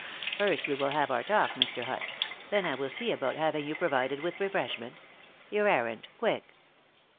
"First we will have our talk, Mr. Hutt; then I will see about having you provided with refreshment. Your errand! quick!"